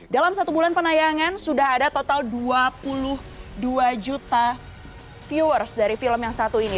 dalam satu bulan penayangan sudah ada total dua puluh dua juta viewers dari film yang satu ini